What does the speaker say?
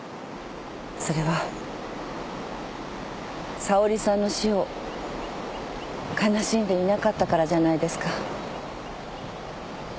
それは沙織さんの死を悲しんでいなかったからじゃないですか？